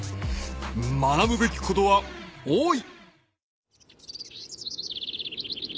「学ぶべきことは多い」